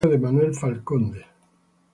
El padre era amigo de Manuel Fal Conde.